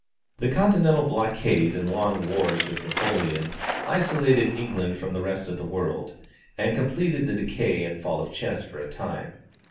The continental blockade and long wars with Napoleon, isolated England from the rest of the world, and completed the decay and fall of chess for a time.